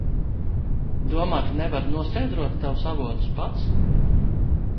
Domā, ka nevaru noskaidrot tavus avotus pats?